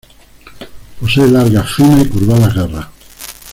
Posee largas, finas y curvadas garras.